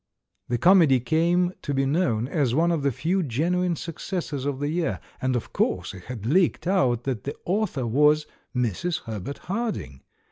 The comedy came to be known as one of the few genuine successes of the year, and of course it had leaked out that the author was Mrs. Herbert Harding.